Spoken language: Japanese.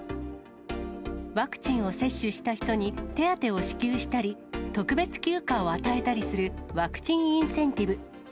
ワクチンを接種した人に手当を支給したり、特別休暇を与えたりするワクチンインセンティブ。